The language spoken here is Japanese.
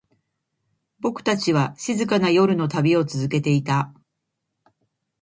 僕たちは、静かな夜の旅を続けていた。